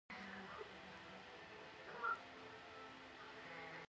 بيا څوک د پښتنو د اتفاق سندرې وايي